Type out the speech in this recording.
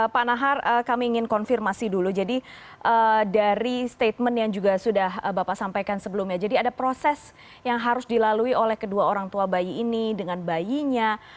pak nahar kami ingin konfirmasi dulu jadi dari statement yang juga sudah bapak sampaikan sebelumnya jadi ada proses yang harus dilalui oleh kedua orang tua bayi ini dengan bayinya